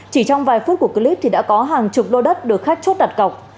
chỉ trong vài phút của clip thì đã có hàng chục đô đất được khách chốt đặt cọc